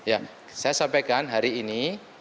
ya saya sampaikan hari ini